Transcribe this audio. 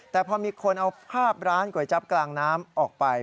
แต่พอมีคนเอาภาพร้านก๋วยจับกลางน้ำออกไป